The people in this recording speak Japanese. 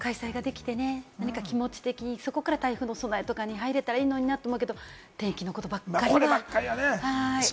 何か少しでもズレて開催ができてね、気持ち的にそこから台風の備えとかに入れたらいいのになって思うけれども、天気のことばっかりは。